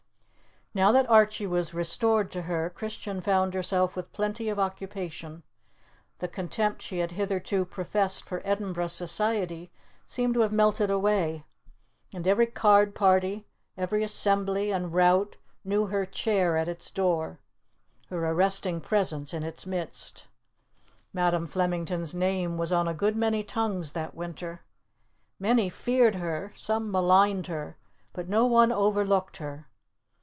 Now that Archie was restored to her, Christian found herself with plenty of occupation. The contempt she had hitherto professed for Edinburgh society seemed to have melted away, and every card party, every assembly and rout, knew her chair at its door, her arresting presence in its midst. Madam Flemington's name was on a good many tongues that winter. Many feared her, some maligned her, but no one overlooked her.